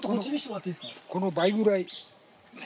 この倍くらい。